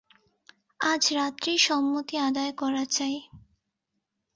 আজ রাত্রেই সম্মতি আদায় করা চাই।